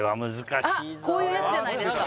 こういうやつじゃないですか？